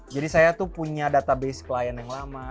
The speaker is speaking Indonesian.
jadi saya itu punya database klien yang lama